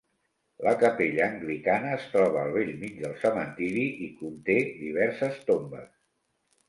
La capella anglicana es troba al bell mig del cementiri i conté diverses tombes.